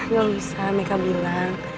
gak usah meka bilang